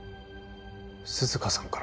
涼香さんから？